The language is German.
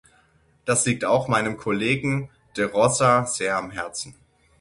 Das liegt auch meinem Kollegen de Rossa sehr am Herzen.